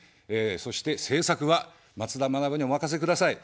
そして政策は、松田学にお任せください。